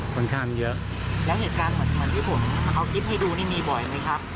คนข้ามเยอะแล้วเหตุการณ์เหมือนเหมือนที่ผมเอาคลิปให้ดูนี่มีบ่อยไหมครับ